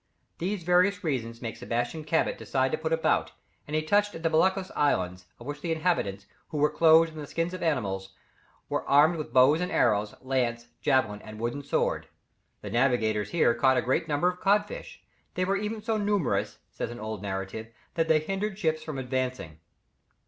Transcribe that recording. These various reasons made Sebastian Cabot decide to put about, and he touched at the Bacalhaos Islands, of which the inhabitants, who were clothed in the skins of animals, were armed with bow and arrows, lance, javelin, and wooden sword. The navigators here caught a great number of cod fish; they were even so numerous, says an old narrative, that they hindered ships from advancing.